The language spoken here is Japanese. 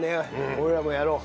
俺らもやろう。